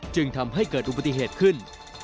จึงทำให้เกิดอุบัติเหตุขึ้น